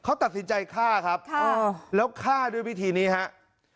เขาตัดสินใจฆ่าครับแล้วฆ่าด้วยวิธีนี้ครับ